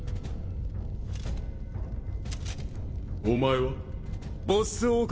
お前は？